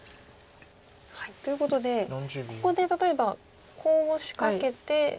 ということでここで例えばコウを仕掛けて。